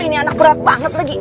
ini anak berat banget lagi